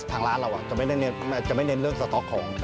ทางร้านเราจะไม่เน้นเรื่องสต๊อกของ